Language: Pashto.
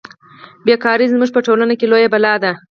بې کاري زموږ په ټولنه کې لویه بلا ده